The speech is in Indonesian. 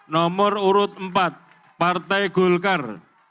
nomor urut empat partai golkar